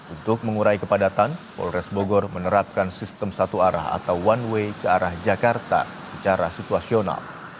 untuk mengurai kepadatan polres bogor menerapkan sistem satu arah atau one way ke arah jakarta secara situasional